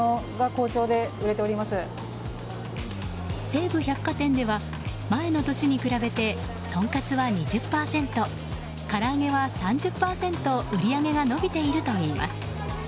西武百貨店では前の年に比べてとんかつは２０％唐揚げは３０％売り上げが伸びているといいます。